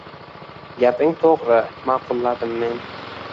Gaping to`g`ri, ma`qulladim men